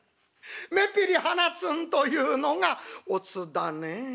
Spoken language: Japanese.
目ピリ鼻ツンというのがおつだねえ。